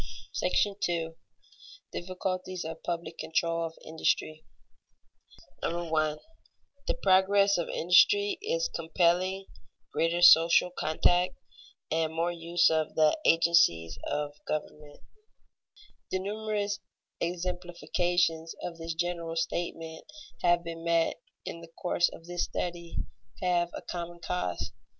§ II. DIFFICULTIES OF PUBLIC CONTROL OF INDUSTRY [Sidenote: Growing need of social coöperation] 1. The progress of industry is compelling greater social contact and more use of the agencies of government. The numerous exemplifications of this general statement that have been met in the course of this study have a common cause.